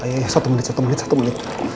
ayo iya satu menit satu menit satu menit